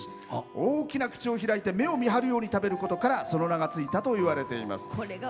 大きな口を開いて目を見張ることからその名が付いたとされています。